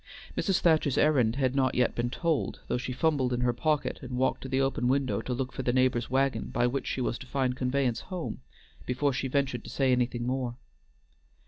Mrs. Thacher's errand had not yet been told, though she fumbled in her pocket and walked to the open window to look for the neighbor's wagon by which she was to find conveyance home, before she ventured to say anything more.